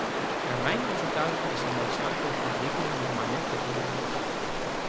Naar mijn overtuiging is de noodzakelijke ontwikkeling nog maar net begonnen.